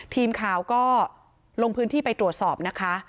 ทีมข่าวก็ลงพื้นที่ไปตรวจสอบนะคะ